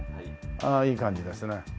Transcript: ああいい感じですね。